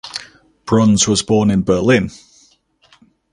Bruns was born in Berlin.